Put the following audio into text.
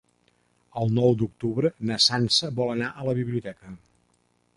El nou d'octubre na Sança vol anar a la biblioteca.